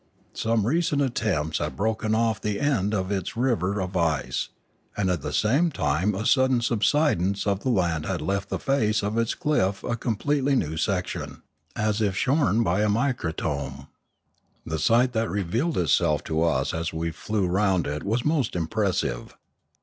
Some recent tempest had broken off the end of its river of ice, and at the same time a sudden subsidence of the land had left the face of its cliff a complete new section, as if shorn by a microtome. The sight that revealed itself to us as we flew round it was most impressive.